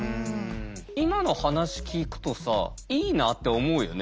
今の話聞くとさいいなって思うよね。